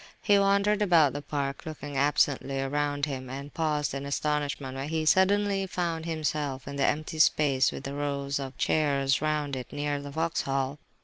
He wandered about the park, looking absently around him, and paused in astonishment when he suddenly found himself in the empty space with the rows of chairs round it, near the Vauxhall.